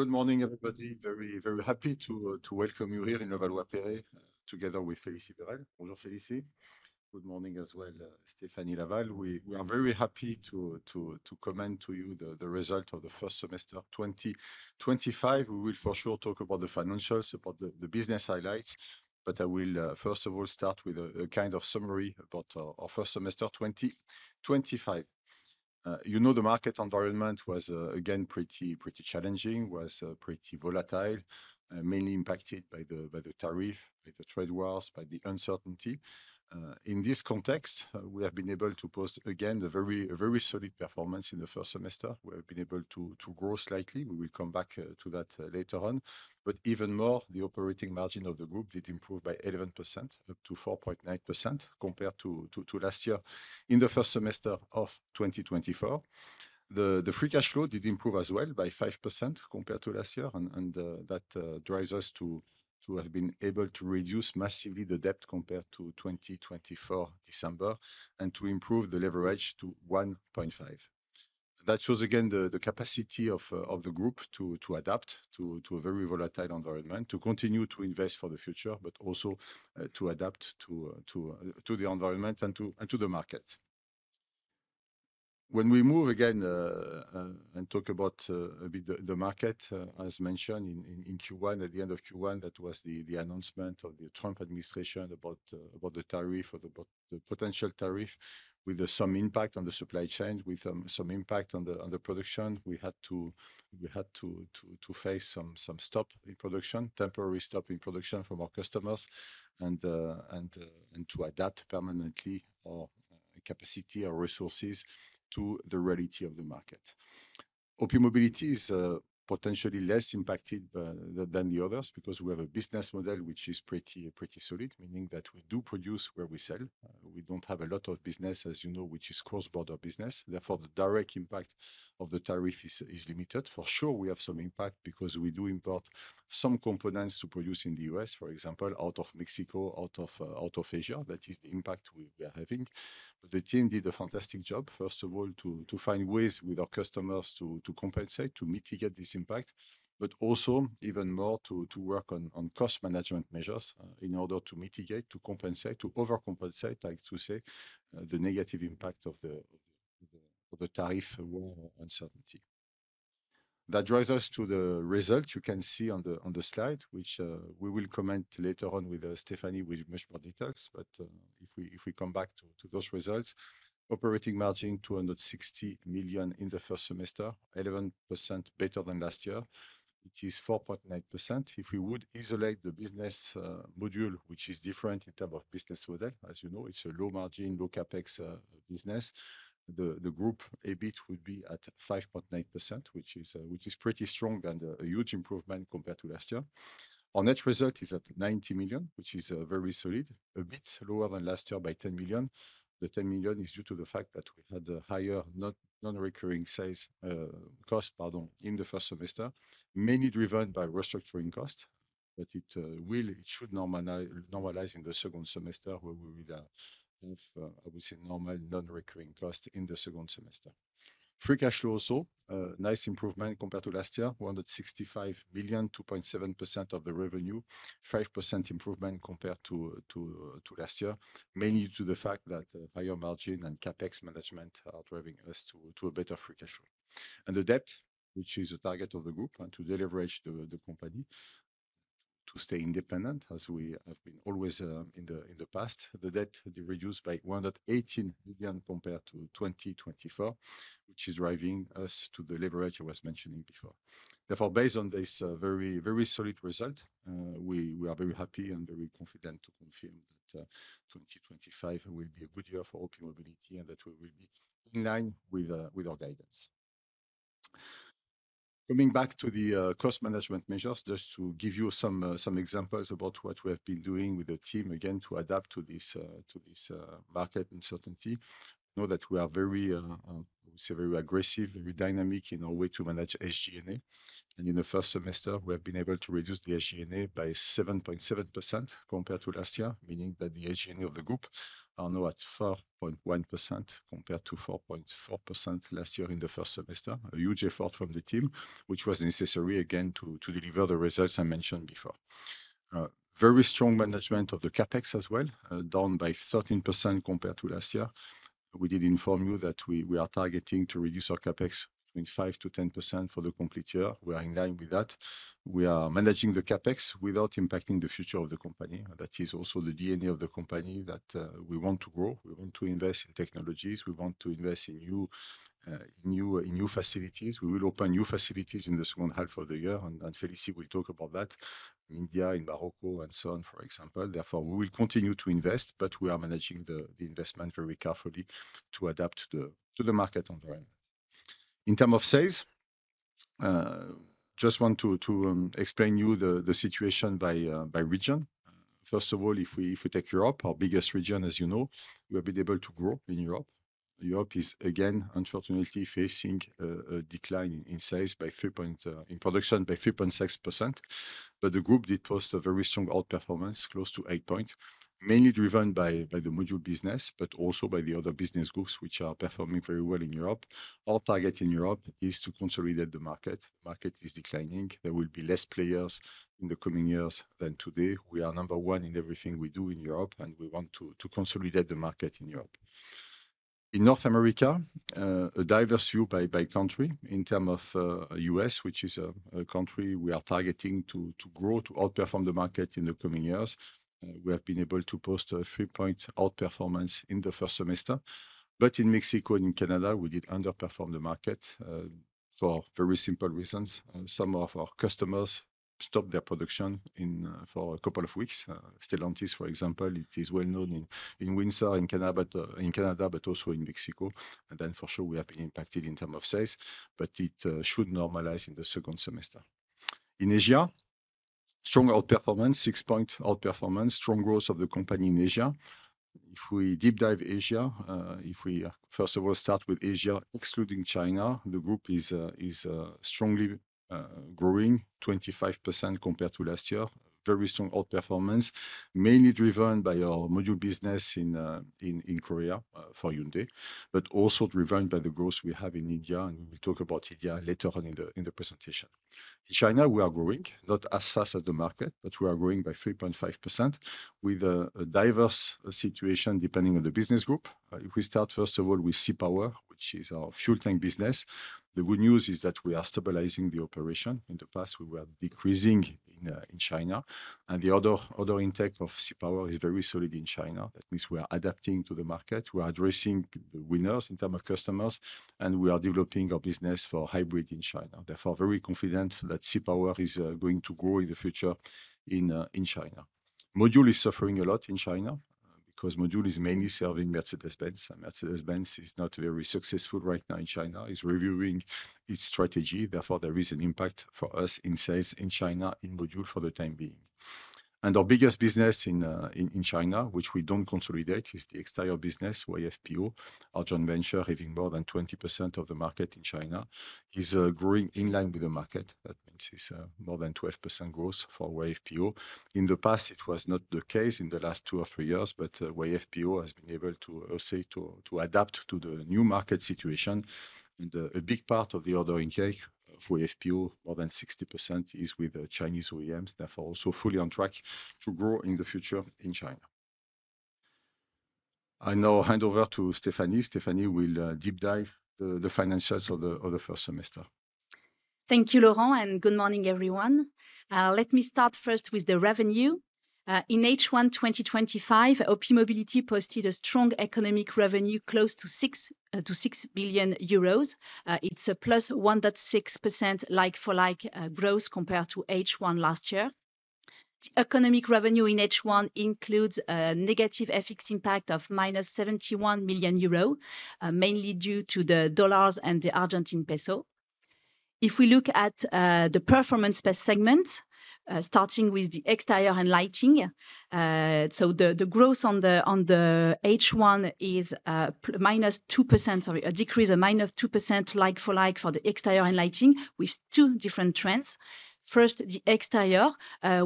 Good morning everybody. Very, very happy to welcome you here in Levallois-Perret. Here together with Félicie Burelle. Bonjour, Félicie. Good morning as well. Stéphanie Laval. We are very happy to commend to you the result of the first semester 2025. We will for sure talk about the financials, about the business highlights, but I will first of all start with a kind of summary about our first semester 2025. You know, the market environment was again pretty, pretty challenging, was pretty volatile, mainly impacted by the tariff, by the trade wars, by the uncertainty. In this context, we have been able to post again a very solid performance in the first semester. We have been able to grow slightly. We will come back to that later on. Even more, the operating margin of the group did improve by 11% up to 4.9% compared to last year. The first semester of 2024, the free cash flow did improve as well by 5% compared to last year. That drives us to have been able to reduce massively the debt compared to December 2024 and to improve the leverage to 1.5. That shows again the capacity of the group to adapt to a very volatile environment, to continue to invest to adapt to the environment and to the market. When we move again and talk about the market, as mentioned in Q1, at the end of Q1, that was the announcement of the Trump administration about the tariff or the potential tariff with some impact on the supply chains, with some impact on the production. We had to face some stop in production, temporary stopping production from our customers, and to adapt permanently our capacity or resources to the reality of the market. OPmobility is potentially less impacted than the others because we have a business model which is pretty solid, meaning that we do produce where we sell. We don't have a lot of business, as you know, which is cross-border business. Therefore, the direct impact of the tariff is limited. For sure, we have some impact because we do import some components to produce in the U.S. for example, out of Mexico, out of Asia. That is the impact we are having. The team did a fantastic job, first of all, to find ways with our customers to compensate, to mitigate this impact, but also even more to work on cost management measures in order to mitigate, to compensate, to overcompensate, like to say, the negative impact of the tariff uncertainty that drives us to the result. You can see on the slide, which we will comment later on with Stéphanie with much more details. If we come back to those results, operating margin $260 million in the first semester, 11% better than last year. It is 4.9%. If we would isolate the business modules, which is different in terms of business model as you know, it's a low margin, low capex business. The group EBIT would be at 5.9%, which is pretty strong and a huge improvement compared to last year. Our net result is at $90 million, which is very solid, a bit lower than last year by $10 million. The $10 million is due to the fact that we had a higher non-recurring sales cost in the first semester, mainly driven by restructuring cost, but it should normalize in the second semester where we will have, I would say, normal non-recurring cost in the second semester. Free cash flow also, nice improvement compared to last year. $165 million, 2.7% of the revenue, 5% improvement compared to last year. Mainly due to the fact that higher margin and capex management are driving us to a better free cash flow, and the debt, which is a target of the group, and to deleverage the company to stay independent, as we have been always in the past. The debt reduced by $118 million compared to 2024, which is driving us to the leverage I was mentioning before. Therefore, based on this very, very solid result, we are very happy and very confident to confirm that 2025 will be a good year for OPmobility and that we will be in line with our guidance. Coming back to the cost management measures, just to give you some examples about what we have been doing with the team again to adapt to this market uncertainty. Know that we are very aggressive, very dynamic in our way to manage SG&A, and in the first semester we have been able to reduce the SG&A by 7.7% compared to last year, meaning that the SG&A of the group are now at 4.1% compared to 4.4% last year in the first semester, a huge effort from the team which was necessary again to deliver the results I mentioned before. Very strong management of the capex as well, down by 13% compared to last year. We did inform you that we are targeting to reduce our CapEx between 5% to 10% for the complete year. We are in line with that. We are managing the CapEx without impacting the future of the company. That is also the DNA of the company that we want to grow. We want to invest in technologies, we want to invest in new facilities. We will open new facilities in the second half of the year and Félicie will talk about that. India, in Morocco and so on, for example. Therefore, we will continue to invest, but we are managing the investment very carefully to adapt to the market environment in terms of sales. Just want to explain you the situation by region. First of all, if we take Europe, our biggest region, as you know, we have been able to grow in Europe. Europe is again unfortunately facing a decline in size by 3 points in production, by 3.6%. The group did post a very strong outperformance, close to 8 points. Mainly driven by the module business, but also by the other business groups which are performing very well in Europe. Our target in Europe is to consolidate the market. Market is declining. There will be less players in the coming years than today. We are number one in everything we do in Europe and we want to consolidate the market in Europe. In North America, a diverse view by country in terms of U.S., which is a country we are targeting to grow to outperform the market in the coming years. We have been able to post a 3-points outperformance in the first semester. In Mexico and in Canada, we did underperform the market for very simple reasons. Some of our customers stopped their production for a couple of weeks. Stellantis, for example, it is well known in Windsor, in Canada, but also in Mexico. For sure, we have been impacted in terms of sales, but it should normalize in the second semester. In Asia, strong outperformance, 6 point outperformance. Strong growth of the company in Asia. If we deep dive Asia, if we first of all start with Asia excluding China, the group is strongly growing 25% compared to last year. Very strong outperformance, mainly driven by our module business in Korea for Hyundai, but also driven by the growth we have in India. We will talk about India later on in the presentation. In China, we are growing not as fast as the market, but we are growing by 3.5% with a diverse situation depending on the business group. If we start first of all with Sea Power, which is our fuel tank business, the good news is that we are stabilizing the operation. In the past, we were busy decreasing in China and the order intake of Sea Power is very solid in China. That means we are adapting to the market, we are addressing winners in terms of customers, and we are developing our business for hybrid in China. Therefore, very confident that Sea Power is going to grow in the future in China. Module is suffering a lot in China because Module is mainly serving Mercedes-Benz, and Mercedes-Benz is not very successful right now in China, is reviewing its strategy. Therefore, there is an impact for us in sales in China in Module for the time being. Our biggest business in China, which we don't consolidate, is the exteriors business. YFPO, our joint venture, having more than 20% of the market in China, is growing in line with the market. That means it's more than 12% growth for YFPO. In the past, it was not the case in the last two or three years, but YFPO has been able to adapt to the new market situation. A big part of the order intake of YFPO, more than 60%, is with Chinese OEMs. Therefore, also fully on track to grow in the future in China. I now hand over to Stéphanie. Stéphanie will deep dive the financials of the first semester. Thank you, Laurent, and good morning, everyone. Let me start first with the revenue in H1 2025. OPmobility posted a strong economic revenue close to €6.6 billion. It's a +1.6% like-for-like growth compared to H1 last year. The economic revenue in H1 includes a negative FX impact of -€71 million, mainly due to the dollars and the Argentine peso. If we look at the performance per segment, starting with the exteriors and lighting, the growth on the H1 is -2%. A decrease, -2% like-for-like for the exteriors and lighting with two different trends. First, the exteriors,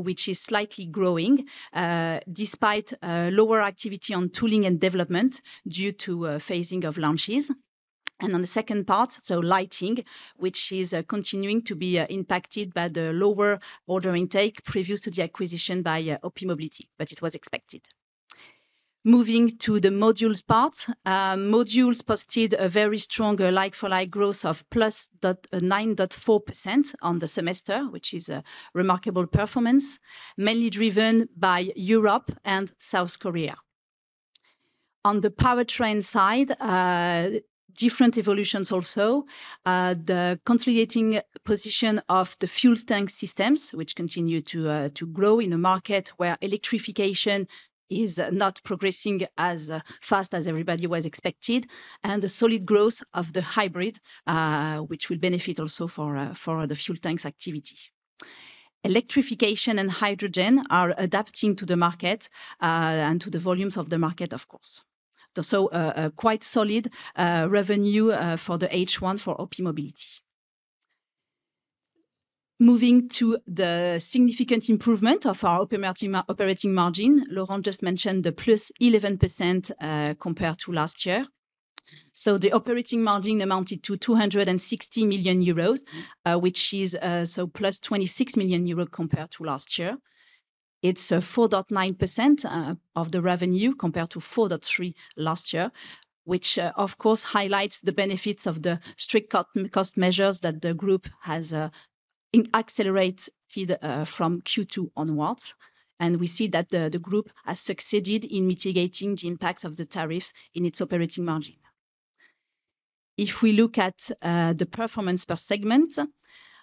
which is slightly growing despite lower activity on tooling and development due to phasing of launches, and on the second part, lighting, which is continuing to be impacted by the lower order intake previous to the acquisition by OPmobility, but it was expected. Moving to the modules part, modules posted a very strong like-for-like growth of +9.4% on the semester, which is a remarkable performance mainly driven by Europe and South Korea. On the powertrain side, different evolutions. Also, the consolidating position of the fuel tank systems, which continue to grow in a market where electrification is not progressing as fast as everybody was expecting, and the solid growth of the hybrid, which will benefit also for the fuel tanks activity. Electrification and hydrogen are adapting to the market and to the volumes of the market, of course. Quite solid revenue for the H1 for OPmobility. Moving to the significant improvement of our operating margin. Laurent just mentioned the +11% compared to last year. The operating margin amounted to €260 million, which is +€26 million compared to last year. It's 4.9% of the revenue compared to 4.3% last year, which highlights the benefits of the strict cost measures that the group has accelerated from Q2 onwards. We see that the group has succeeded in mitigating the impacts of the tariffs in its operating margin. If we look at the performance per segment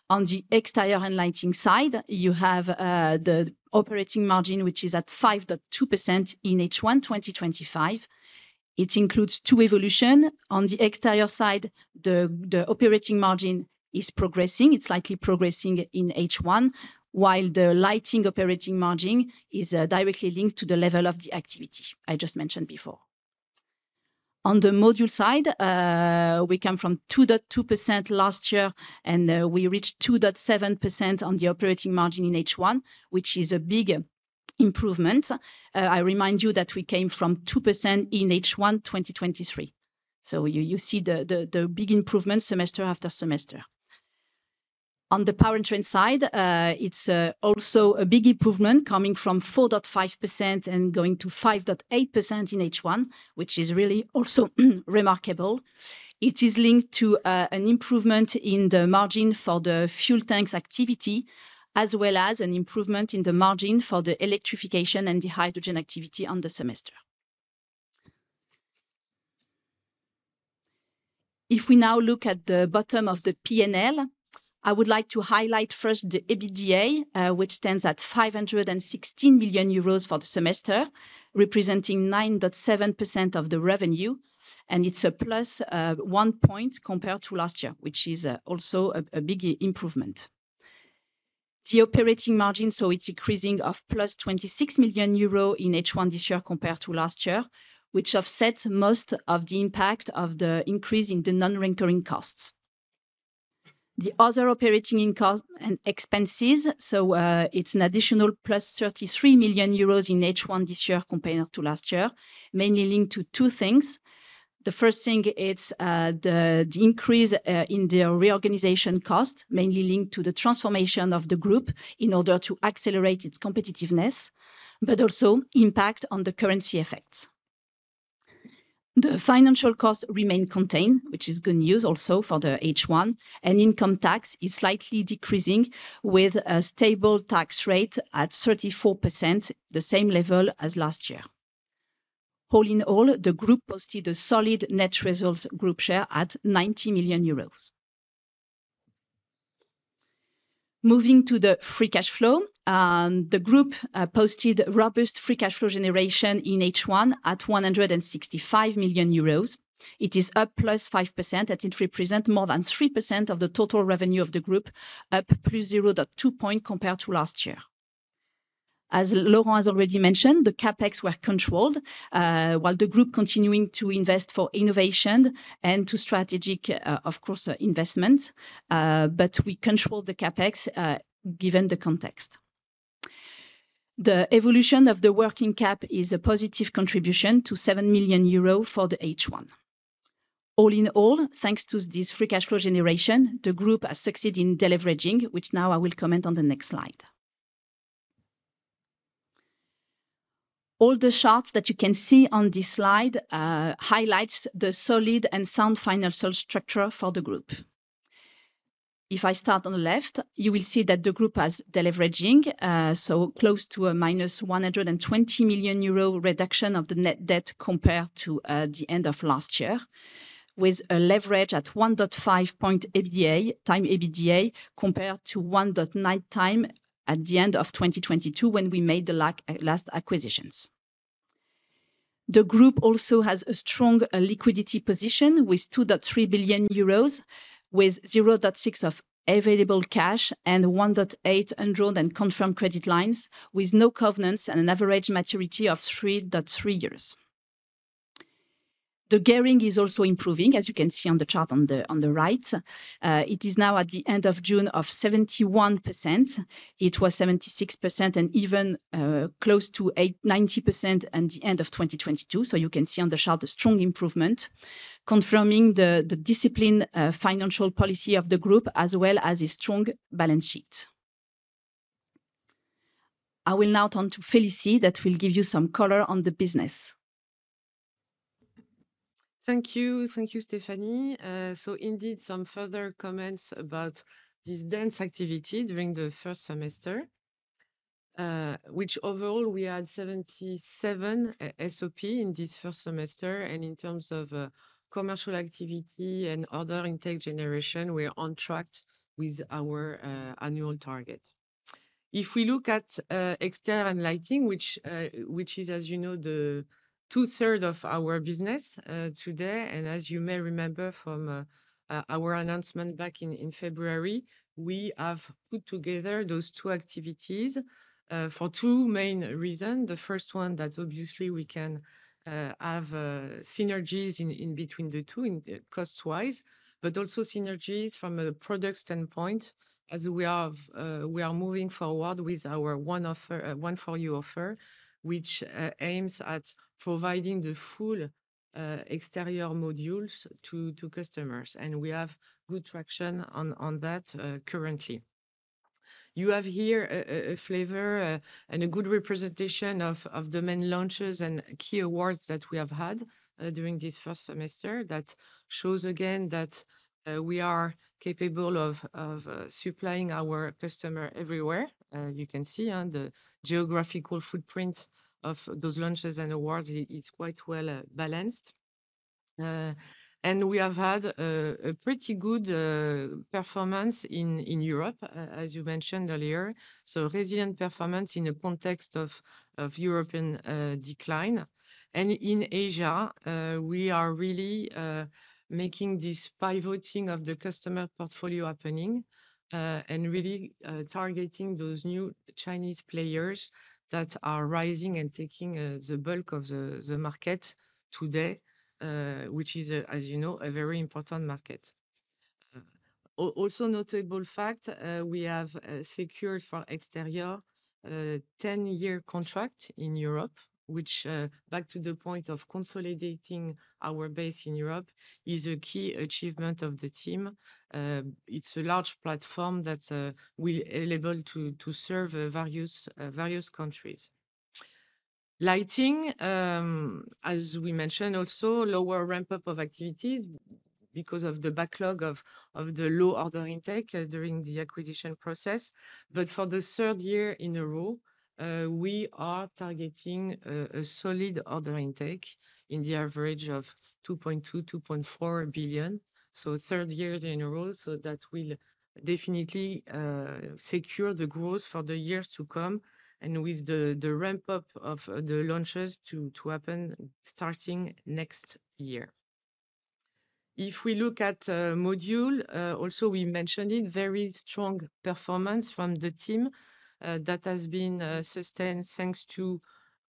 on the exteriors and lighting side, you have the operating margin, which is at 5.2% in H1 2025. It includes two evolutions. On the exterior side, the operating margin is progressing, it's slightly progressing in H1, while the lighting operating margin is directly linked to the level of the activity I just mentioned before. On the modules side, we come from 2.2% last year and we reached 2.7% on the operating margin in H1, which is a big improvement. I remind you that we came from 2% in H1 2023. You see the big improvements semester after semester. On the powertrain side, it's also a big improvement coming from 4.5% and going to 5.8% in H1, which is really also remarkable. It is linked to an improvement in the margin for the fuel tanks activity as well as an improvement in the margin for the electrification and the hydrogen activity on the semester. If we now look at the bottom of the P&L, I would like to highlight first the EBITDA, which stands at €516 million for the semester, representing 9.7% of the revenue. It's a plus one point compared to last year, which is also a big improvement. The operating margin is increasing of +€26 million in H1 this year compared to last year, which offsets most of the impact of the increase in the non-recurring costs, the other operating income expenses. It's an additional plus €33 million in H1 this year compared to last year, mainly linked to two things. The first thing is the increase in the reorganization cost, mainly linked to the transformation of the Group in order to accelerate its competitiveness, but also impact on the currency effects. The financial costs remain contained, which is good news also for the H1. Income tax is slightly decreasing with a stable tax rate at 34%, the same level as last year. All in all, the Group posted a solid net result. Group share at €90 million. Moving to the free cash flow, the Group posted robust free cash flow generation in H1 at €165 million. It is up +5% and it represents more than 3% of the total revenue of the Group, up 0.2 points compared to last year. As Laurent has already mentioned, the CapEx were controlled while the Group continued to invest for innovation and strategic, of course, investment. We controlled the CapEx. Given the context, the evolution of the working cap is a positive contribution of €7 million for the H1. All in all, thanks to this free cash flow generation, the Group has succeeded in deleveraging, which now I will comment on the next slide. All the charts that you can see on this slide highlight the solid and sound financial structure for the Group. If I start on the left, you will see that the group has deleveraging, so close to a minus €120 million reduction of the net debt compared to the end of last year, with a leverage at 1.5 times EBITDA compared to 1.9 times at the end of 2022 when we made the last acquisitions. The group also has a strong liquidity position with €2.3 billion, with €0.6 billion of available cash and €1.8 billion undrawn and confirmed credit lines with no covenants and an average maturity of 3.3 years. The gearing is also improving. As you can see on the chart on the right, it is now at the end of June at 71%. It was 76% and even close to 90% at the end of 2022. You can see on the chart a strong improvement, confirming the disciplined financial policy of the group as well as a strong balance sheet. I will now turn to Félicie, that will give you some color on the business. Thank you. Thank you, Stéphanie. Indeed, some further comments about this dense activity during the first semester, which overall we had 77 SOP in this first semester, and in terms of commercial activity and order intake generation, we are on track with our annual target. If we look at exteriors and lighting, which is, as you know, 2/3 of our business today, and as you may remember from our announcement back in February, we have put together those two activities for two main reasons. The first one is that obviously we can have synergies in between the two cost-wise, but also synergies from a product standpoint as we are moving forward with our One For You offer, which aims at providing the full exterior modules to customers, and we have good traction on that currently. You have here a flavor and a good representation of the main launches and key awards that we have had during this first semester, that shows again that we are capable of supplying our customer everywhere. You can see the geographical footprint of those launches and awards is quite well balanced and we have had a pretty good performance in Europe, as you mentioned earlier, so resilient performance in the context of European decline and in Asia we are really making this pivoting of the customer portfolio happening and really targeting those new Chinese players that are rising and taking the bulk of the market today, which is, as you know, a very important market. Also, notable fact, we have secured for exteriors a 10-year contract in Europe, which, back to the point of consolidating our base in Europe, is a key achievement of the team. It's a large platform that will enable us to serve various countries. Lighting, as we mentioned, also lower ramp-up of activities because of the backlog of the low-order intake during the acquisition process. For the third year in a row, we are targeting a solid order intake in the average of $2.2 billion to $2.4 billion. Third year in a row. That will definitely secure the growth for the years to come, with the ramp-up of the launches to happen starting next year. If we look at modules, also we mentioned it. Very strong performance from the team that has been sustained thanks to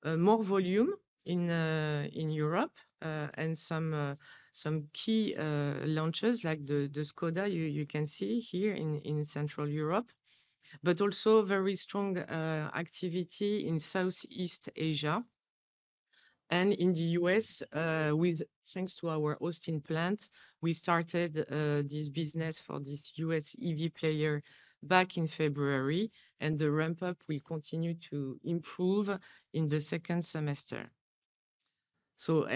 more volume in Europe and some key launches like the Škoda you can see here in Central Europe, but also very strong activity in Southeast Asia and in the U.S. thanks to our Austin plant. We started this business for this U.S. EV player back in February, and the ram- up will continue to improve in the second semester. Also,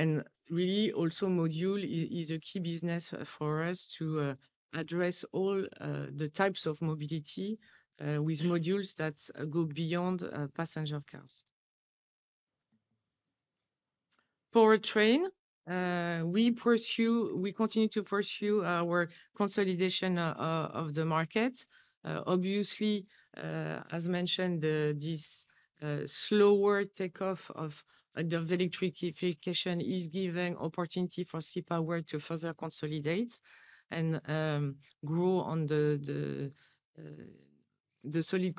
module is a key business for us to address all the types of mobility with modules that go beyond passenger cars. Powertrain. We continue to pursue our consolidation of the market. Obviously, as mentioned, this slower takeoff of electrification is giving opportunity for Sea Power to further consolidate and grow on the solid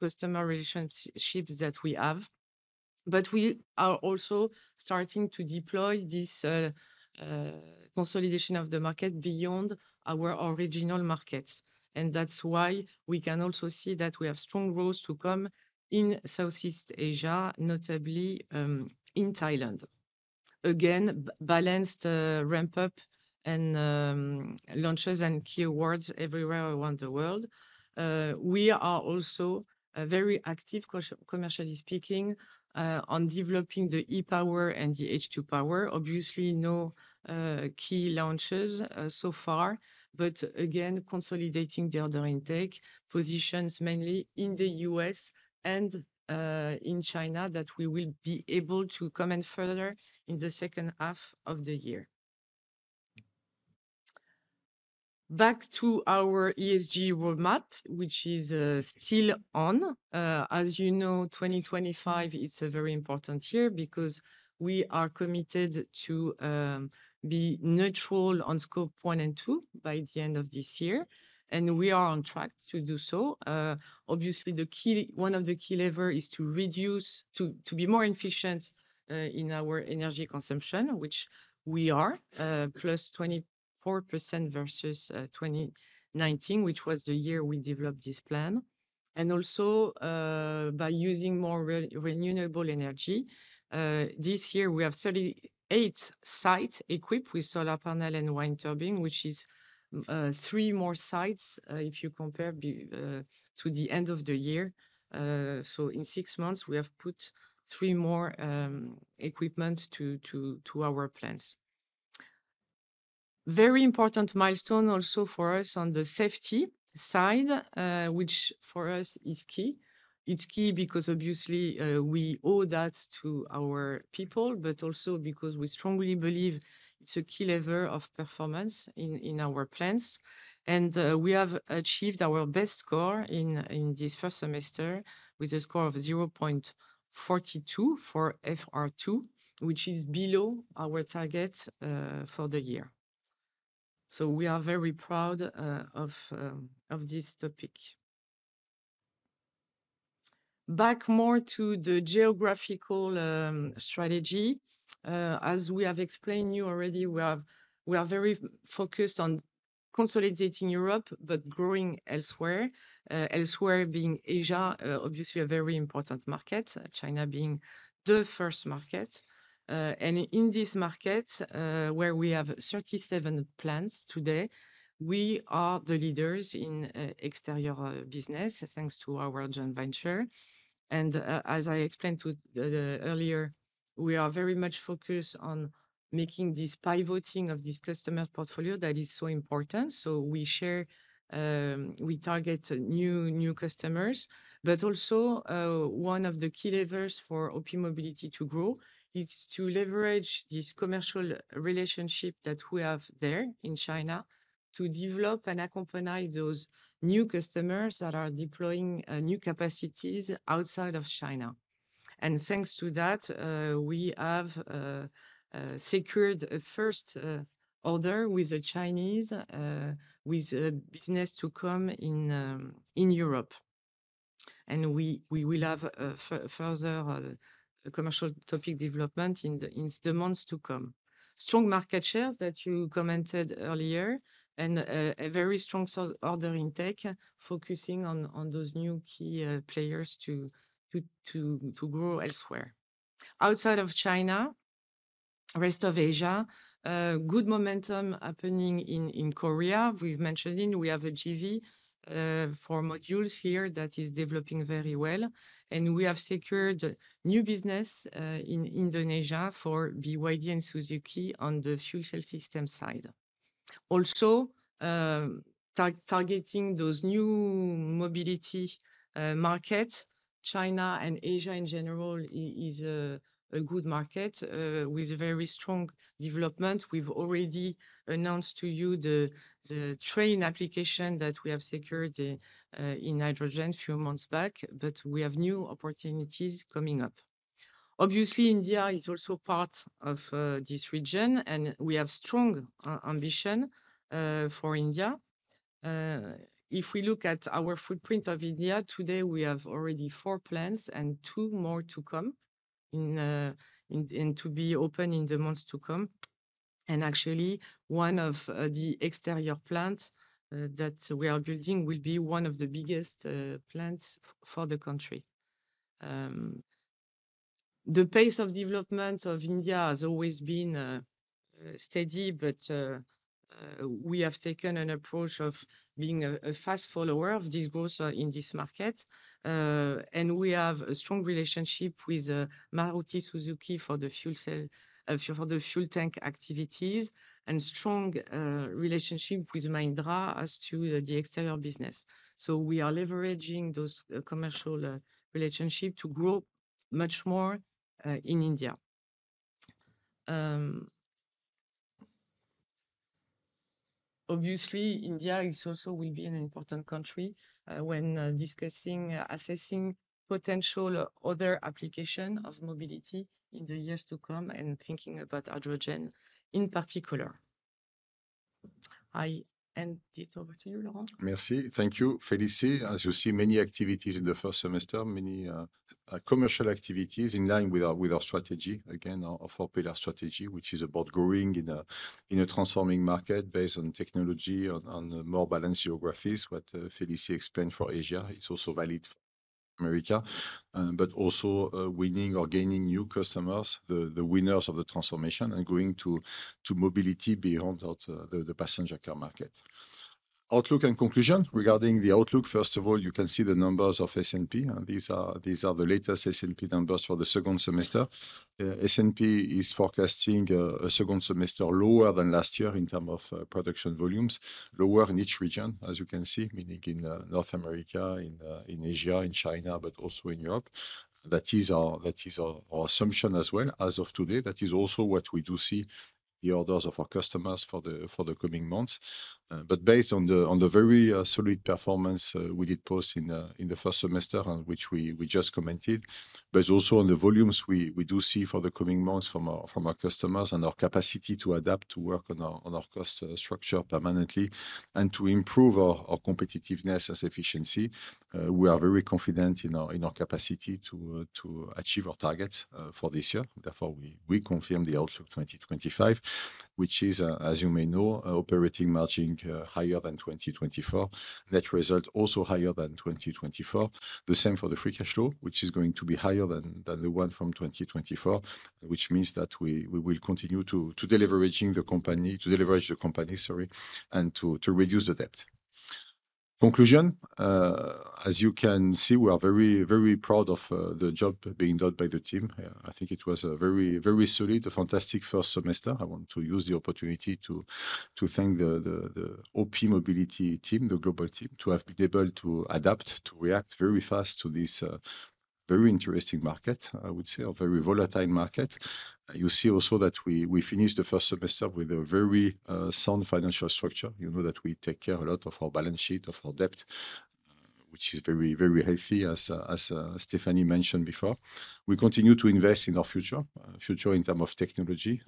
customer relationships that we have. We are also starting to deploy this consolidation of the market beyond our original markets. That's why we can also see that we have strong growth to come in Southeast Asia, notably in Thailand. Again, balanced ramp-up and launches, and key awards everywhere around the world. We are also very active, commercially speaking, on developing the E power and the H2 power. Obviously, no key launches so far. Again, consolidating the order intake positions mainly in the U.S. and in China that we will be able to comment further in the second half of the year. Back to our ESG roadmap, which is still on. As you know, 2025 is a very important year because we are committed to be neutral on scope 1 and 2 by the end of this year, and we are on track to do so. Obviously, one of the key levers is to reduce, to be more efficient in our energy consumption, which we are plus 24% versus 2019, which was the year we developed this plan. Also, by using more renewable energy, this year we have 38 sites equipped with solar panel and wind turbine, which is three more sites if you compare to the end of the year. In six months, we have put three more equipment to our plants. Very important milestone also for us on the safety side, which for us is key. It's key because we owe that to our people, but also because we strongly believe it's a key level of performance in our plants. We have achieved our best score in this first semester with a score of 0.42 for FR2, which is below our target for the year. We are very proud of this topic. Back more to the geographical strategy. As we have explained already, we are very focused on consolidating Europe but growing elsewhere. Elsewhere, being Asia, obviously a very important market. China being the first market, and in this market, where we have 37 plants today, we are the leaders in exterior business thanks to our joint venture. As I explained to you earlier, we are very much focused on making this pivoting of this customer portfolio that is so important. We share, we target new customers. Also, one of the key levers for OPmobility to grow is to leverage this commercial relationship that we have there in China to develop and accompany those new customers that are deploying new capacities outside of China. Thanks to that, we have secured a first order with a Chinese business to come in Europe, and we will have further commercial topic development in the months to come. Strong market shares that you commented earlier, and a very strong order intake focusing on those new key players to grow elsewhere outside of China, rest of Asia. Good momentum happening in Korea. We've mentioned we have a JV for modules here that is developing very well, and we have secured new business in Indonesia for BYD and Suzuki on the fuel cell system side. Also targeting those new mobility markets. China and Asia in general is a good market with a very strong development. We've already announced to you the train application that we have secured in hydrogen a few months back. We have new opportunities coming up. Obviously, India is also part of this region, and we have strong ambition for India. If we look at our footprint of India today, we have already four plants and two more to come and to be open in the months to come. Actually, one of the exterior plants that we are building will be one of the biggest plants for the country. The pace of development of India has always been steady, but we have taken an approach of being a fast follower of this growth in this market. We have a strong relationship with Maruti Suzuki for the fuel tank activities and strong relationship with Mahindra as to the exterior business. We are leveraging those commercial relationships to grow much more in India. Obviously, India also will be an important country when discussing assessing potential other application of mobility in the years to come and thinking about hydrogen in particular. I hand it over to you, Laurent. Merci. Thank you, Félicie. As you see, many activities in the first semester, many commercial activities in line with our strategy again of our pillar strategy, which is about growing in a transforming market based on technology, on more balanced geographies. What Félicie explained for Asia, it's also valid America, but also winning or gaining new customers, the winners of the transformation, and going to mobility beyond the passenger car market. Outlook and conclusion. Regarding the outlook, first of all, you can see the numbers of S&P, and these are the latest S&P numbers for the second semester. S&P is forecasting a second semester lower than last year in terms of production volumes, lower in each region, as you can see, meaning in North America, in Asia, in China, but also in Europe. That is our assumption as well as of today. That is also what we do see in the orders of our customers for the coming months. Based on the very solid performance we did post in the first semester on which we just commented, and also on the volumes we do see for the coming months from our customers and our capacity to adapt, to work on our cost structure permanently and to improve our competitiveness and efficiency, we are very confident in our capacity to achieve our targets for this year. Therefore, we confirm the Outlook 2025, which is, as you may know, operating margin higher than 2024. Net result also higher than 2024. The same for the free cash flow, which is going to be higher than the one from 2024, which means that we will continue to deleverage the company and to reduce the debt. Conclusion, as you can see, we are very, very proud of the job being done by the team. I think it was a very, very solid, a fantastic first semester. I want to use the opportunity to thank the OPmobility team, the global team, to have been able to adapt to react very fast to this very interesting market. I would say a very volatile market. You see also that we finished the first semester with a very sound financial structure. You know that we take care a lot of our balance sheet, of our debt, which is very, very healthy. As Stéphanie mentioned before, we continue to invest in our future in terms of technology.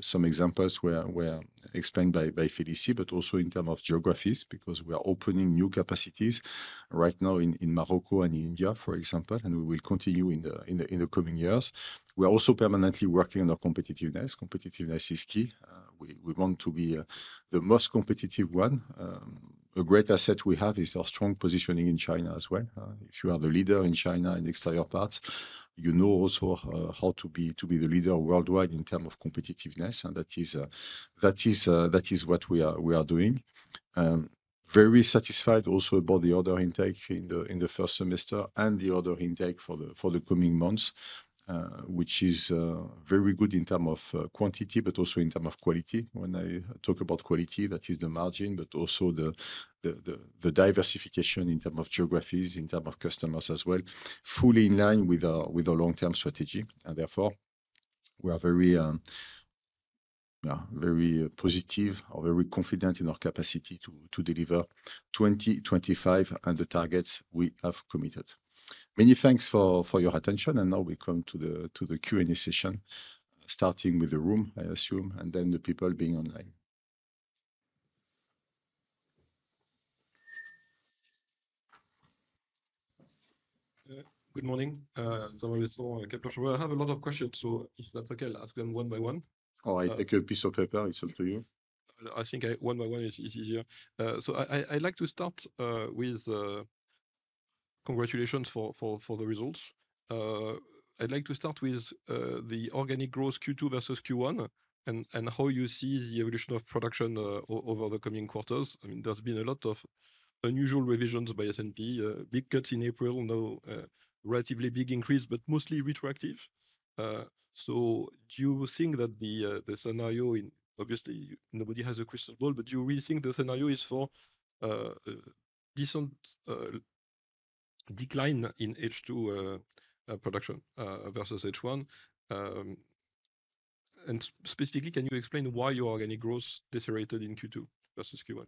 Some examples were explained by Félicie, but also in terms of geographies, because we are opening new capacities right now in Morocco and India, for example, and we will continue in the coming years. We are also permanently working on our competitiveness. Competitiveness is key. We want to be the most competitive one. A great asset we have is our strong positioning in China as well. If you are the leader in China in exterior parts, you know also how to be the leader worldwide in terms of competitiveness. That is what we are doing. Very satisfied also about the order intake in the first semester and the order intake for the coming months, which is very good in terms of quantity but also in terms of quality. When I talk about quality, that is the margin but also the diversification in terms of geographies, in terms of customers as well, fully in line with the long-term strategy. Therefore, we are very positive or very confident in our capacity to deliver 2025 and the targets we have committed. Many thanks for your attention. Now we come to the Q and A session, starting with the room, I assume, and then the people being online. Good morning. I have a lot of questions, so if that's okay, I'll ask them one by one. Oh, I take a piece of paper. It's up to you. I think one by one is easier. I'd like to start with congratulations for the results. I'd like to start with the organic growth Q2 versus Q1 and how you see the evolution of production over the coming quarters. There's been a lot of unusual revisions by S&P, big cuts in April, no relatively big increase, but mostly retroactive. Do you think that the scenario, obviously nobody has a crystal ball, but do you really think the scenario is for decent decline in H2 production versus H1? Specifically, can you explain why your organic growth decelerated in Q2 versus Q1?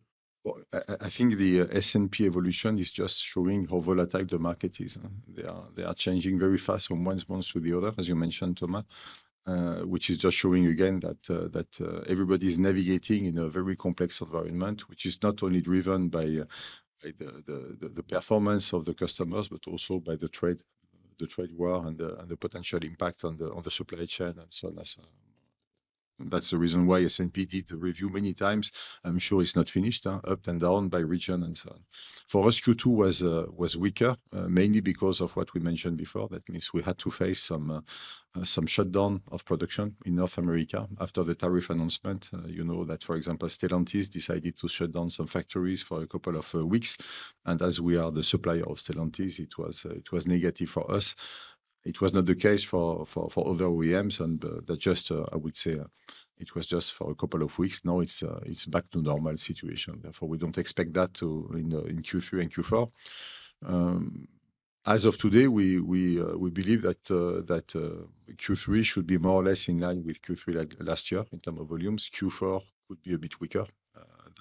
I think the S&P evolution is just showing how volatile the market is. They are changing very fast from one month to the other, as you mentioned, Thomas, which is just showing again that everybody is navigating in a very complex environment, which is not only driven by the performance of the customers, but also by the trade war and the potential impact on the supply chain and so on. That's the reason why S&P did the review many times. I'm sure it's not finished, up and down by region and so on. For us, Q2 was weaker mainly because of what we mentioned before. That means we had to face some shutdown of production in North America after the tariff announcement. You know that, for example, Stellantis decided to shut down some factories for a couple of weeks. As we are the supplier of Stellantis, it was negative for us. It was not the case for other OEMs, and I would say it was just for a couple of weeks. Now it's back to normal situation. Therefore, we don't expect that in Q3 and Q4. As of today, we believe that Q3 should be more or less in line with Q3 last year. In terms of volumes, Q4 could be a bit weaker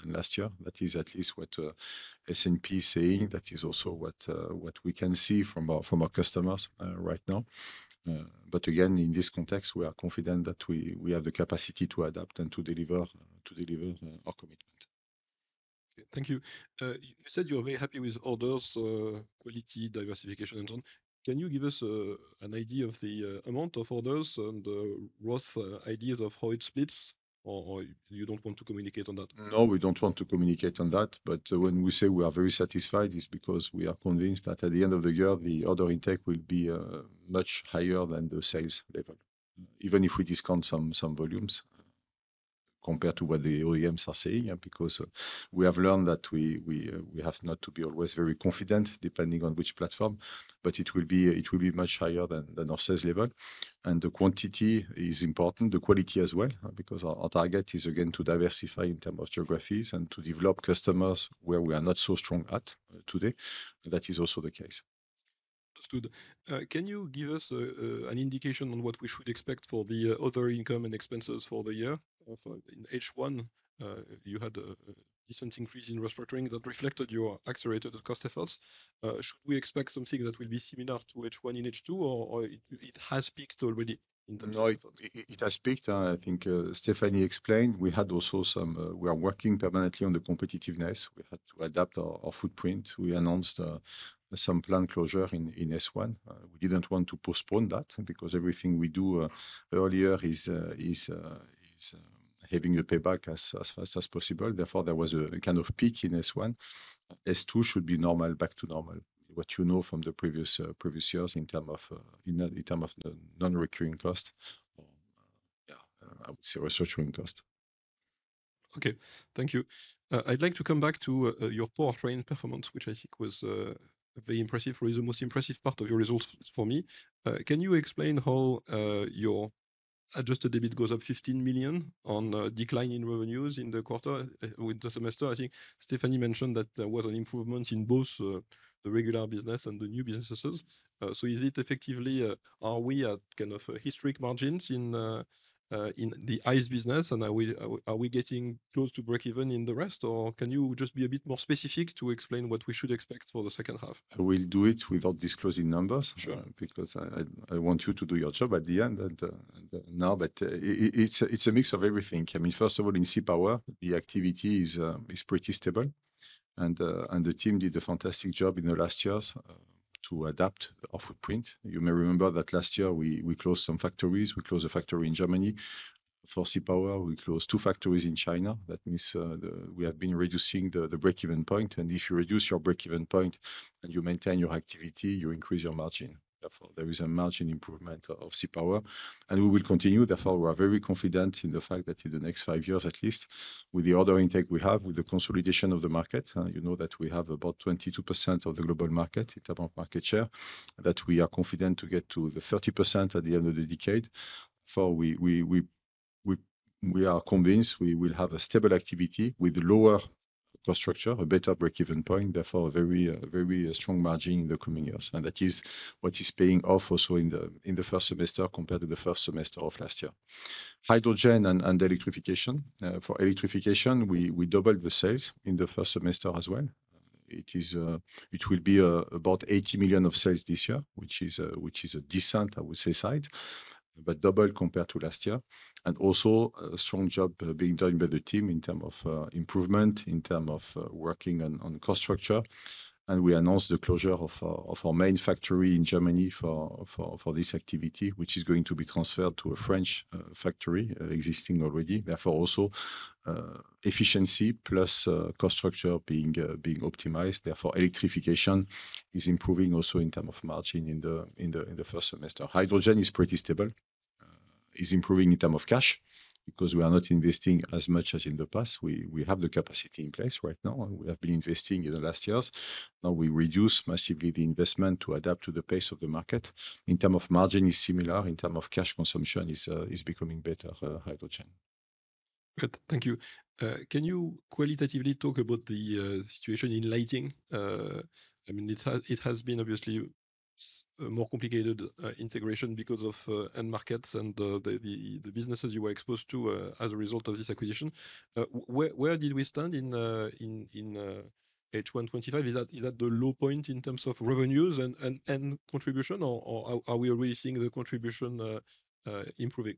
than last year. That is at least what S&P is saying. That is also what we can see from our customers right now. Again, in this context, we are confident that we have the capacity to adapt and to deliver our commitment. Thank you. You said you're very happy with orders quality diversification engine. Can you give us an idea of the amount of orders and rough ideas of how it splits or you don't want to communicate on that? No, we don't want to communicate on that. When we say we are very satisfied, it's because we are convinced that at the end of the year, the order intake will be much higher than the sales level, even if we discount some volumes compared to what the OEMs are saying. We have learned that we have not to be always very confident, depending on which platform, but it will be much higher than our sales level. The quantity is important, the quality as well, because our target is again to diversify in terms of geographies and to develop customers where we are not so strong at today. That is also the case. Understood. Can you give us an indication on what we should expect for the other income and expenses for the year? In H1, you had a decent increase in restructuring that reflected your accelerated cost efforts. Should we expect something that will be similar to H1 in H2, or it has peaked already? It has peaked. I think Stéphanie explained. We are working permanently on the competitiveness. We had to adapt our footprint. We announced some plant closure in S1. We didn't want to postpone that because everything we do earlier is having a payback as fast as possible. Therefore, there was a kind of peak in S1. S2 should be normal, back to normal. What you know from the previous years in terms of the non-recurring cost? Yeah, I would say restructuring cost. Okay, thank you. I'd like to come back to your portrait performance, which I think was very impressive, or is the most impressive part of your results for me. Can you explain how your adjusted EBIT goes up $15 million on decline in revenues in the quarter with the semester? I think Stéphanie mentioned that there was an improvement in both the regular business and the new businesses. Is it effectively, are we at kind of historic margins in the ICE business, and are we getting close to break even in the rest? Can you just be a bit more specific to explain what we should expect for the second half? I will do it without disclosing numbers because I want you to do your job at the end now. It's a mix of everything. First of all, in Sea Power, the activity is pretty stable. The team did a fantastic job in the last years to adapt our footprint. You may remember that last year we closed some factories. We closed a factory in Germany for Sea Power. We closed two factories in China. That means we have been reducing the breakeven point. If you reduce your breakeven point and you maintain your activity, you increase your margin. Therefore, there is a margin improvement of Sea Power, and we will continue. We are very confident in the fact that in the next five years, at least with the order intake we have with the consolidation of the market, you know that we have about 22% of the global market type of market share that we are confident to get to the 30% at the end of the decade. We are convinced we will have a stable activity with lower cost structure, a better breakeven point, therefore very strong margin in the coming years. That is what is paying off also in the first semester compared to the first semester of last year. Hydrogen and electrification. For electrification, we doubled the size in the first semester as well. It will be about $80 million of sales this year, which is a decent, I would say, size, but double compared to last year. Also, a strong job being done by the team in terms of improvement, in terms of working on cost structure. We announced the closure of our main factory in Germany for this activity, which is going to be transferred to a French factory existing already. Therefore, also efficiency plus cost structure being optimized. Electrification is improving also in terms of margin in the first semester. Hydrogen is pretty stable, is improving in terms of cash because we are not investing as much as in the past. We have the capacity in place right now. We have been investing in the last years. Now we reduce massively the investment to adapt to the pace of the market. In terms of margin is similar, in terms of cash consumption is becoming better. Hydrochain. Thank you. Can you qualitatively talk about the situation in lighting? I mean, it has been obviously more complicated integration because of end markets and the businesses you were exposed to as a result of this acquisition. Where do we stand in H1 2025? Is that the low point in terms of revenues and contribution, or are we really seeing the contribution improving?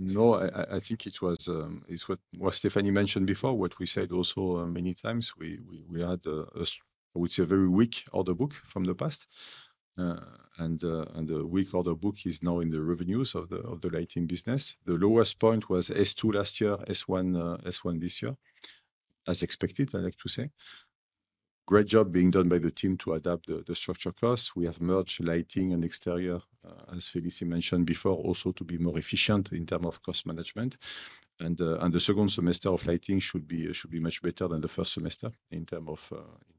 No, I think it was what Stéphanie mentioned before, what we said also many times. We had, I would say, a very weak order book from the past, and the weak order book is now in the revenues of the lighting business. The lowest point was S2 last year, S1 this year, as expected. I like to say great job being done by the team to adapt the structure costs. We have merged lighting and exteriors, as Félicie mentioned before, also to be more efficient in terms of cost management. The second semester of lighting should be much better than the first semester in terms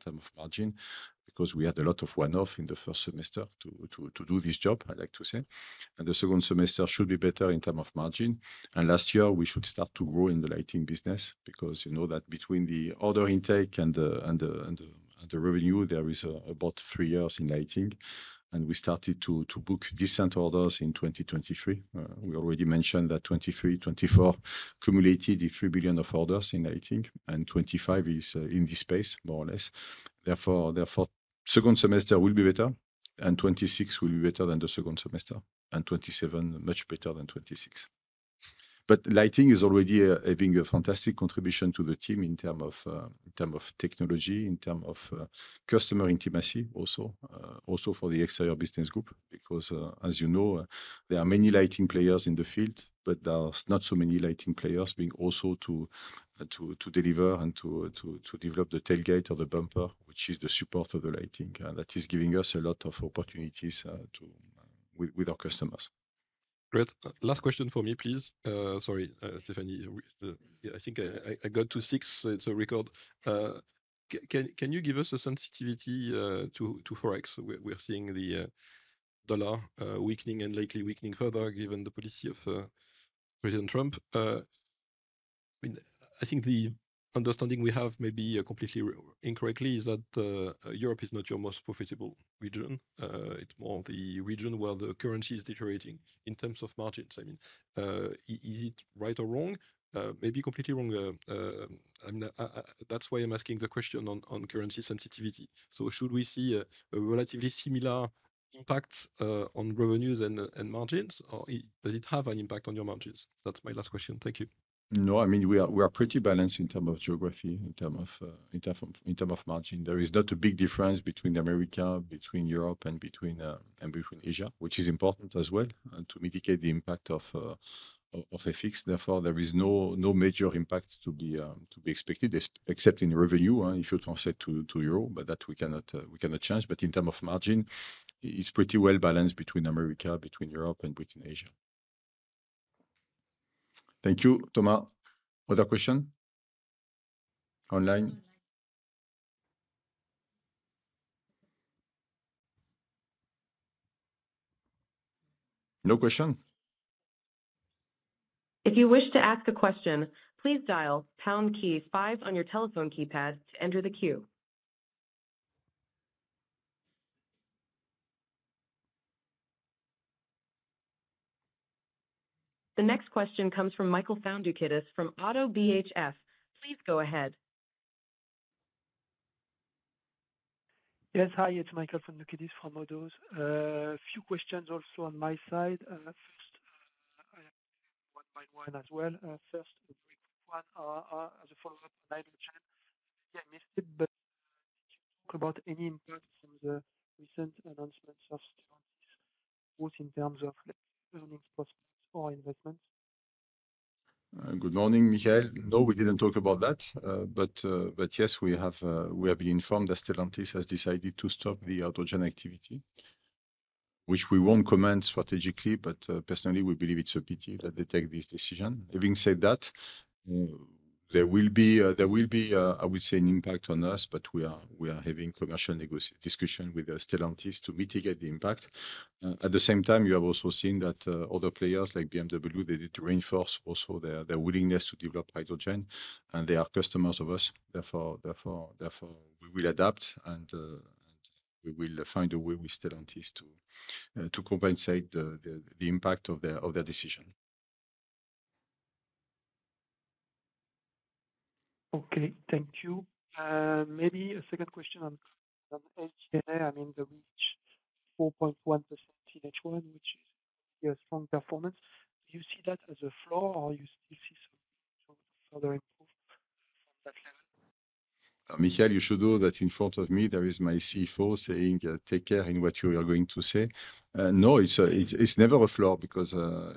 of margin because we had a lot of one-off in the first semester to do this job. I like to say the second semester should be better in terms of margin. Last year, we should start to grow in the lighting business because you know that between the order intake and the revenue, there is about three years in lighting, and we started to book decent orders in 2023. We already mentioned that 2023-2024 accumulated $3 billion of orders in lighting, and 2025 is in this space, more or less. Therefore, the second semester will be better, and 2026 will be better than the second semester, and 2027 much better than 2026. Lighting is already having a fantastic contribution to the team in terms of technology, in terms of customer intimacy, also for the exteriors business group, because as you know, there are many lighting players in the field, but there are not so many lighting players being also able to deliver and to develop the tailgate or the bumper, which is the support of the lighting. That is giving us a lot of opportunities with our customers. Great. Last question for me, please. Sorry, Stéphanie, I think I got to six. It's a record. Can you give us a sensitivity to forex? We're seeing the dollar weakening and likely weakening further, given the policy of President Trump. I think the understanding we have, maybe completely incorrectly, is that Europe is not your most profitable region. It's more the region where the currency is deteriorating in terms of margins. I mean, is it right or wrong? Maybe completely wrong. That's why I'm asking the question on currency sensitivity. Should we see a relatively similar impact on revenues and margins or does it have an impact on your margins? That's my last question. Thank you. No, I mean we are pretty balanced in terms of geography. In terms of margin, there is not a big difference between America, between Europe, and between Asia, which is important as well to mitigate the impact of FX. Therefore, there is no major impact to be expected except in revenue. If you translate to euro, but that we cannot change. In terms of margin, it's pretty well balanced between America, between Europe, and between Asia. Thank you, Thomas. Other question online. No question. If you wish to ask a question. Please dial the pound key five on your phone. Telephone keypad to enter the queue. The next question comes from Michael Foundoukidis from ODDO BHF. Please go ahead. Yes, hi, it's Michael Foundoukidis from ODDO. Few questions also on my side. First, I have one by one as well. First, a very quick one as a follow-up on either channel. Maybe I missed it, but did you talk about any impact from the recent announcements of Stellantis, both in terms of earnings prospect for investment? Good morning, Michael. No, we didn't talk about that. Yes, we have been informed that Stellantis has decided to stop the hydrogen activity, which we won't comment strategically, but personally we believe it's a pity that they take this decision. Having said that, there will be, I would say, an impact on us, but we are having commercial discussion with Stellantis to mitigate the impact. At the same time, you have also seen that other players like BMW, they need to reinforce also their willingness to develop hydrogen and they are customers of us. Therefore, we will adapt and we will find a way with Stellantis to compensate the impact of their decision. Okay, thank you. Maybe a second question on, I mean, the reach 4.1% of H1, which is strong performance. Do you see that as a floor or you still see some further improve? Michael, you should know that in front of me, there is my CFO saying take care in what you are going to say. No, it's never a flaw because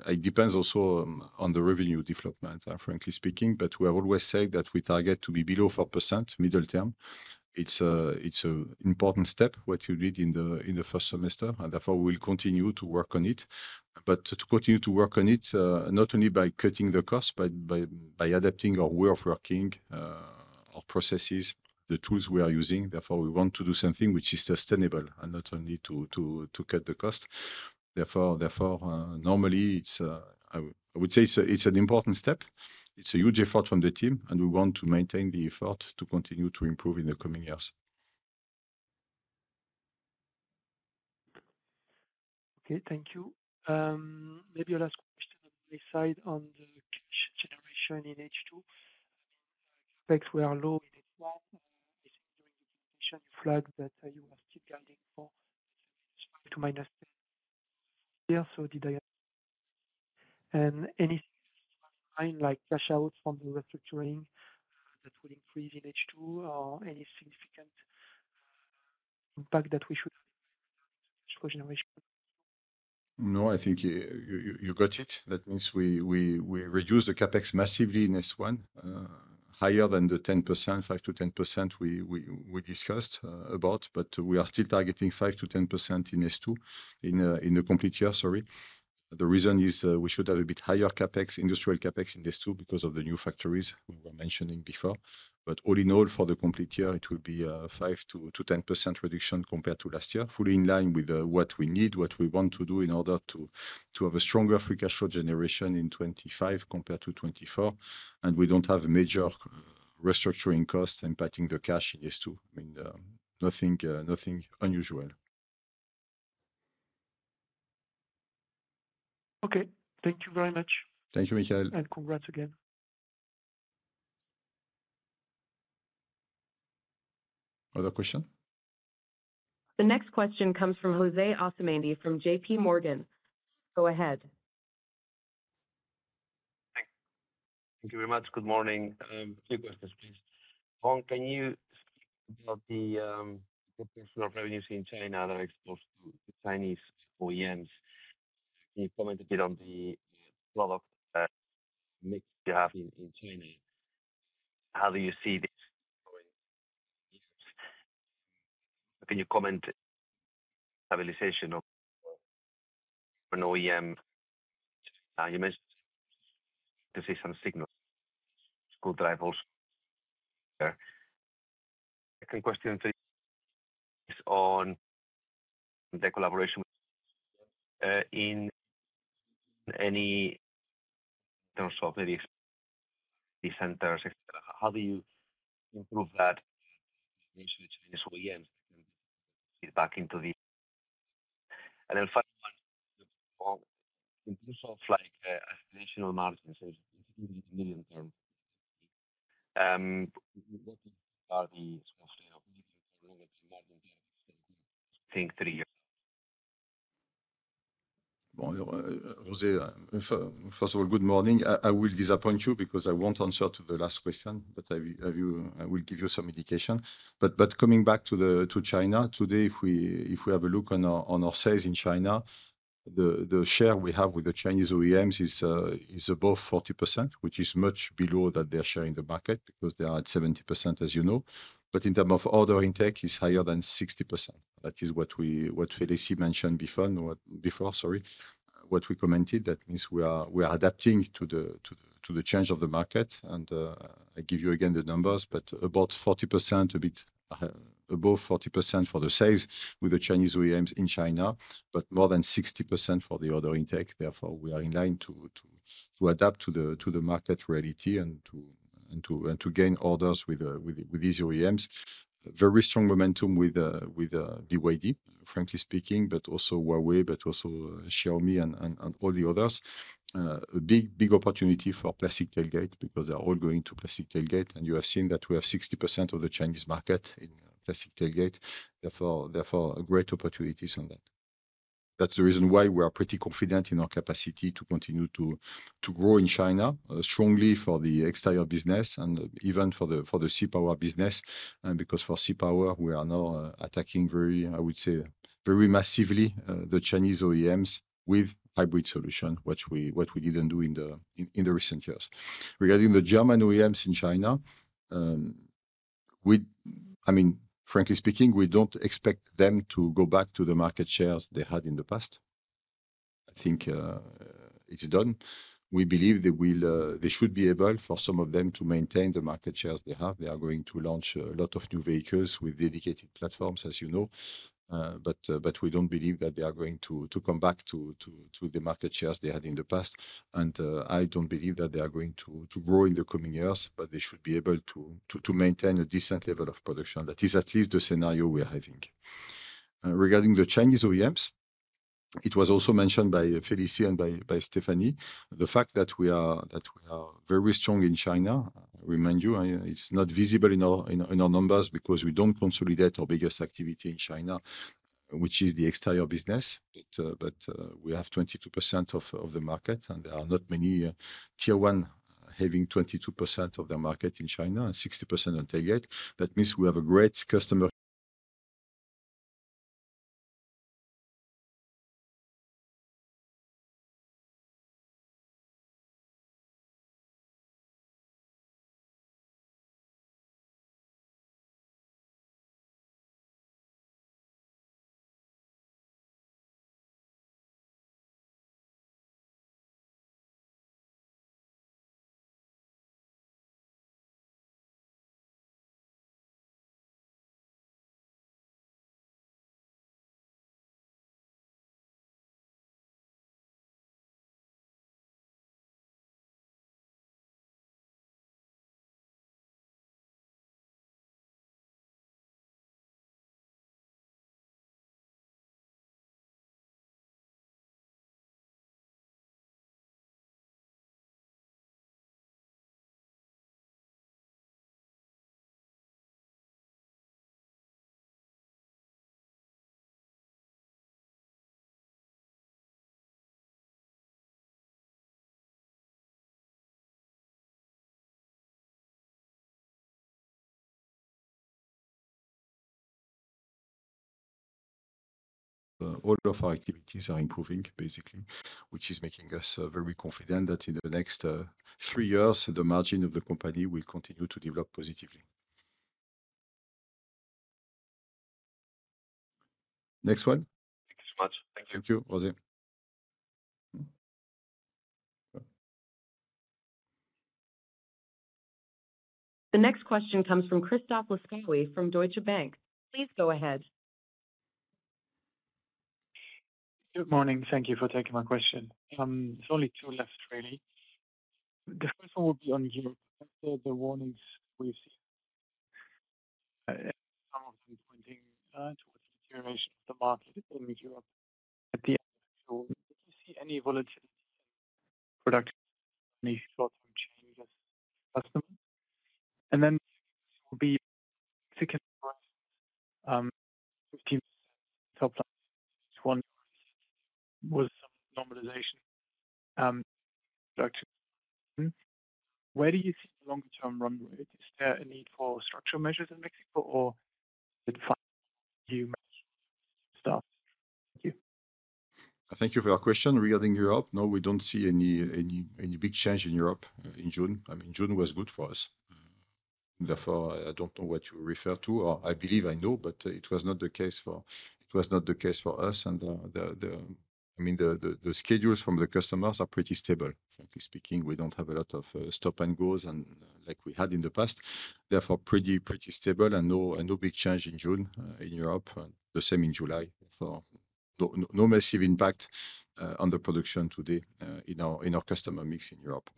it depends also on the revenue development. Frankly speaking, we have always said that we target to be below 4% middle term. It's an important step, what you did in the first semester. Therefore, we'll continue to work on it, not only by cutting the cost, but by adapting our way of working, our processes, the tools we are using. We want to do something which is sustainable and not only to cut the cost. Normally, I would say it's an important step. It's a huge effort from the team, and we want to maintain the effort to continue to improve in the coming years. Okay, thank you. Maybe a last question on my side on the cash generation in H2. Which were low in H1. During the presentation, you flagged that you were still guiding for to minus 10 years. Did I, and any like, flush out from the restructuring that would increase in H2, or any significant impact that we should? No, I think you got it. That means we reduce the capex massively in S1, higher than the 10%, 5% to 10% we discussed about. We are still targeting 5% to 10% in S2 in the complete year. Sorry. The reason is we should have a bit higher CapEx, industrial CapEx in these two, because of the new factories we were mentioning before. All in all, for the complete year, it will be 5% to 10% reduction compared to last year, fully in line with what we need, what we want to do in order to have a stronger free cash flow generation in 2025 compared to 2024. We don't have a major restructuring cost impacting the cash in S2. I mean nothing unusual. Okay, thank you very much. Thank you, Michael. and congrats again. Other question. The next question comes from José Asumendi from JPMorgan. Go ahead. Thank you very much. Good morning. Few questions, please. Can you speak about the proportion of revenues in China that are exposed to Chinese OEMs? Can you comment a bit on the product mix you have in China? How do you see this? Can you comment? Stabilization of an OEM decision signal could drive also. Second question to you is on the collaboration in any terms of centers, et cetera. How do you improve that back into the and then final one in terms of like aspirational margins? First of all, good morning. I will disappoint you because I won't answer to the last question, but I will give you some indication. Coming back to China today, if we have a look on our sales in China, the share we have with the Chinese OEMs is above 40%, which is much below their share in the market because they are at 70%, as you know. In terms of order intake, it is higher than 60%. That is what Félicie mentioned before. Sorry, what we commented. That means we are adapting to the change of the market, and I give you again the numbers, about 40%, a bit above 40% for the size with the Chinese OEMs in China, but more than 60% for the order intake. Therefore, we are in line to adapt to the market reality and to gain orders with these OEMs. Very strong momentum with BYD, frankly speaking, but also Huawei, but also Xiaomi and all the others. A big, big opportunity for plastic tailgate because they are all going to plastic tailgate and you have seen that we have 60% of the Chinese market in plastic tailgate, therefore great opportunities on that. That's the reason why we are pretty confident in our capacity to continue to grow in China strongly for the exterior business and even for the Sea Power business. For Sea Power, we are now attacking very, I would say, very massively the Chinese OEMs with hybrid solution. What we didn't do in the recent years regarding the German OEMs in China, frankly speaking, we don't expect them to go back to the market shares they had in the past. I think it's done. We believe they should be able for some of them to maintain the market shares they have. They are going to launch a lot of new vehicles with dedicated platforms, as you know. We don't believe that they are going to come back to the market shares they had in the past. I don't believe that they are going to grow in the coming years, but they should be able to maintain a decent level of production. That is at least the scenario we are having. Regarding the Chinese OEMs, it was also mentioned by Félicie and by Stéphanie the fact that we are very strong in China. I remind you it's not visible in our numbers because we don't consolidate our biggest activity in China, which is the exterior business. We have 22% of the market, and there are not many tier one having 22% of their market in China and 60% on target. That means we have a great customer. All of our activities are improving, basically, which is making us very confident that in the next three years the margin of the company will continue to develop positively. Next one. Thank you so much. Thank you. Thank you, José. The next question comes from Christoph Laskawi from Deutsche Bank. Please go ahead. Good morning. Thank you for taking my question. There's only two left, really. The first one would be on Europe. After the warnings we've seen, some of them pointing towards the deterioration of the market in Europe, at the end of the tour, did you see any volatility in production, any short-term changes, customers, and then where do you see the longer-term run rate? Is there a need for structural measures in Mexico or start? Thank you. Thank you for your question regarding Europe. No, we don't see any big change in Europe in June. I mean June was good for us. Therefore, I don't know what you refer to, or I believe I know, but it was not the case for us. The schedules from the customers are pretty stable. Frankly speaking, we don't have a lot of stop-and-goes like we had in the past. Therefore, pretty stable and no big change in June in Europe. The same in July. No massive impact on the production today in our customer mix in Europe.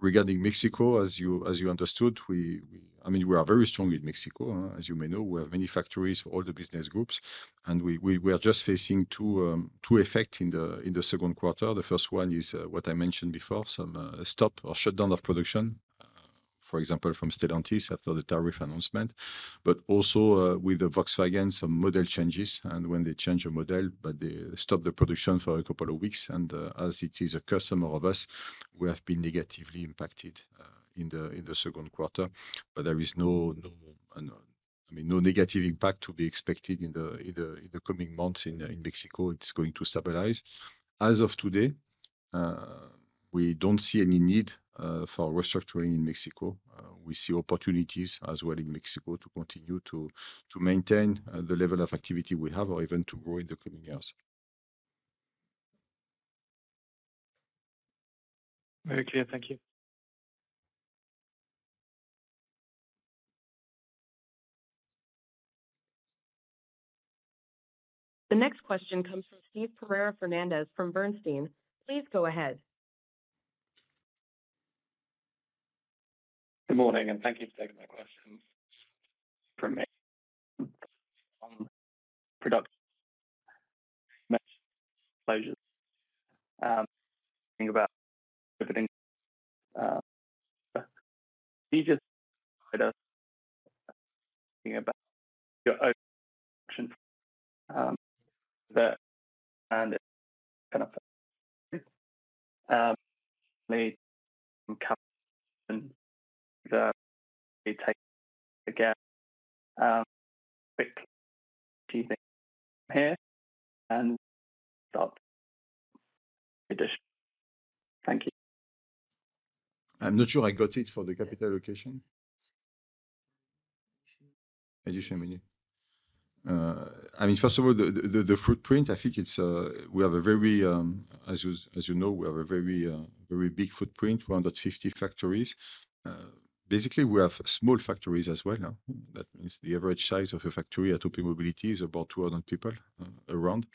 Regarding Mexico, as you understood, we are very strong in Mexico. As you may know, we have many factories for all the business groups, and we are just facing two effects in the second quarter. The first one is what I mentioned before, some stop or shutdown of production, for example, from Stellantis after the tariff announcement, but also with Volkswagen, some model changes. When they change a model, they stop the production for a couple of weeks, and as it is a customer of us, we have been negatively impacted in the second quarter. There is no negative impact to be expected in the coming months in Mexico. It's going to stabilize as of today. We don't see any need for restructuring in Mexico. We see opportunities as well in Mexico, to continue to maintain the level of activity we have or even to grow in the coming years. Very clear, thank you. The next question comes from Steve Pereira Fernandes from Bernstein. Please go ahead. Good morning, and thank you for taking my questions. Thank you. I'm not sure I got it for the capital location. I mean, first of all, the footprint. I think it's, we have a very, as you know, we have a very, very big footprint, 150 factories. Basically, we have small factories as well. That means the average size of a factory at OPmobility is about 200 people around,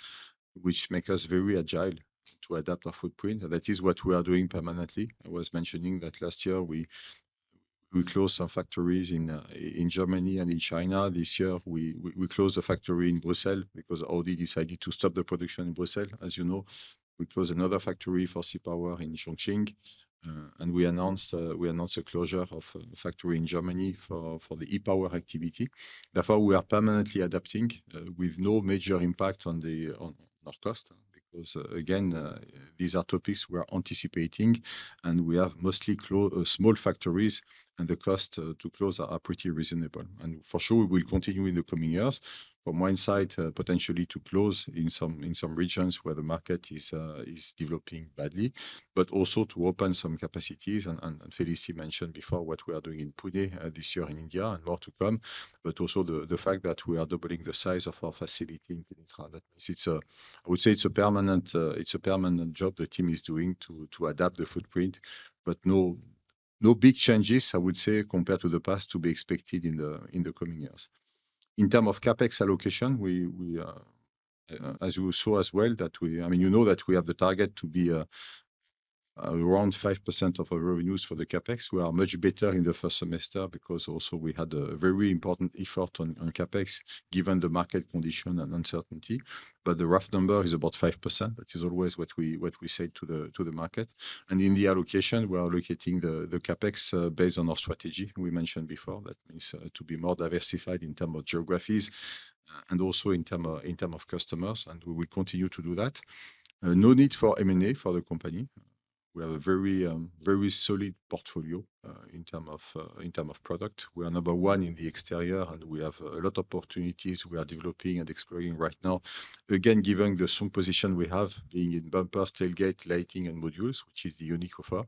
which makes us very agile to adapt our footprint. That is what we are doing permanently. I was mentioning that last year we closed our factories in Germany and in China. This year, we closed the factory in Brussels because Audi decided to stop the production in Brussels. As you know, we closed another factory for Sea Power in Chongqing, and we announced a closure of a factory in Germany for the E Power activity. Therefore, we are permanently adapting with no major impact on the cost because, again, these are topics we are anticipating and we have mostly small factories and the cost to close are pretty reasonable and for sure we will continue in the coming years. From my side, potentially to close in some regions where the market is developing badly, but also to open some capacities. Félicie mentioned before what we are doing in Pune this year in India, and more to come. Also, the fact that we are doubling the size of our facility. In that case, I would say it's a permanent job the team is doing to adapt the footprint, but no big changes, I would say, compared to the past, to be expected in the coming years in terms of CapEx allocation. As you saw as well, you know that we have the target to be around 5% of our revenues for the CapEx. We are much better in the first semester because we had a very important effort on capex given the market condition and uncertainty. The rough number is about 5%. That is always what we say to the market and in the allocation. We are allocating the capex based on our strategy we mentioned before. That means to be more diversified in terms of geographies and also in terms of customers. We will continue to do that. No need for M&A for the company. We have a very solid portfolio in terms of product. We are number one in the exterior, and we have a lot of opportunities we are developing and exploring right now. Again, given the strong position we have being in bumpers, tailgate, lighting, and modules, which is the unique offer.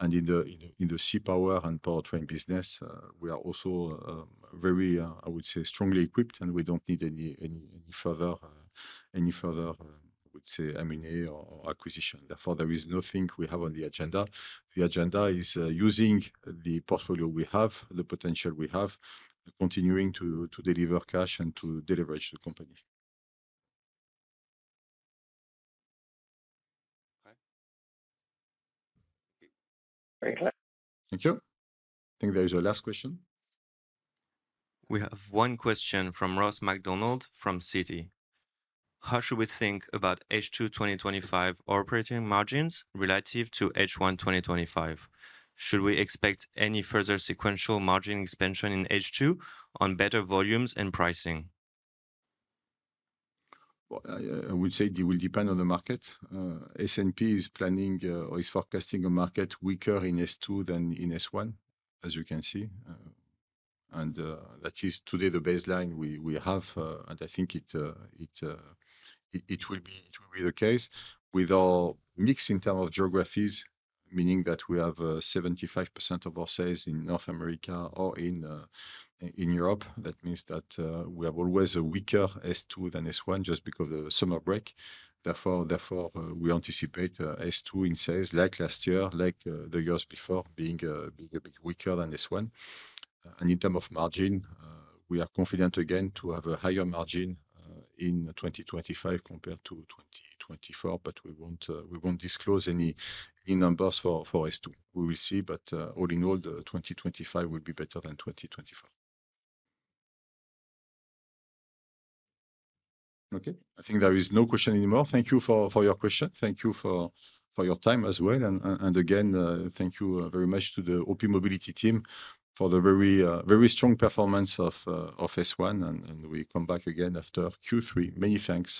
In the Sea Power and powertrain business,, we are also very, I would say, strongly equipped and we don't need any further, I would say, M&A or acquisition. Therefore, there is nothing we have on the agenda. The agenda is using the portfolio. We have the potential. We have continuing to deliver cash and to deliver the company. Thank you. I think there is a last question. We have one question from Ross MacDonald from Citi. How should we think about H2 2025 operating margins relative to H1 2025? Should we expect any further sequential margin expansion in H2 on better volumes and pricing? I would say it will depend on the market. S&P is planning or is forecasting a market weaker in S2 than in S1. As you can see, that is today the baseline we have. I think it will be the case with our mix in terms of geographies, meaning that we have 75% of our sales in North America or in Europe. That means that we have always a weaker S2 than S1 just because of the summer break. Therefore, we anticipate S2 in size, like last year, like the years before, being a bit weaker than this one. In terms of margin, we are confident again to have a higher margin in 2025 compared to 2024. We won't disclose any numbers for S2. We will see. All in all, 2025 will be better than 2024. I think there is no question anymore. Thank you for your question. Thank you for your time as well. Again, thank you very much to the OPmobility team for the very, very strong performance of S1. We come back again after Q3. Many thanks.